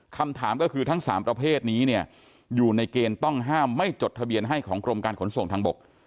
คำถามก็คือทั้ง๓ประเภทนี้เนี่ยอยู่ในเกณฑ์ต้องห้ามไม่จดทะเบียนให้ของกรมการขนส่งทางบก